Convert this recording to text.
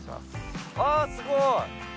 あっすごい。